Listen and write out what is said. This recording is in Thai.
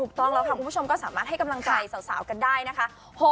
ถูกต้องแล้วค่ะคุณผู้ชมก็สามารถให้กำลังใจสาวกันได้นะคะ